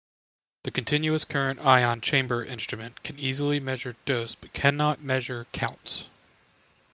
The continuous current ion chamber instrument can easily measure dose but cannot measure counts.